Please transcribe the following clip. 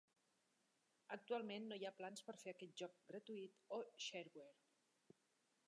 Actualment no hi ha plans per fer aquest joc gratuït o "shareware".